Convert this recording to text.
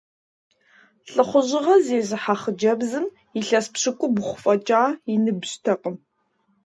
Лӏыхъужьыгъэ зезыхьэ хъыджэбзым илъэс пщыкӏубгъу фӏэкӏа и ныбжьтэкъым.